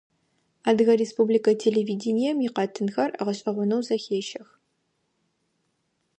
Адыгэ республикэ телевидением икъэтынхэр гъэшӀэгъонэу зэхещэх.